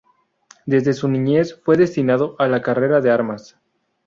Desde su niñez fue destinado a la carrera de armas.